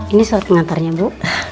ini surat pengantarnya bu